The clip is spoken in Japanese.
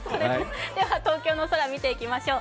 では東京の空見ていきましょう。